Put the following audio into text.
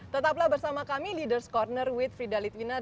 tetaplah bersama kami leaders' corner with frida litwina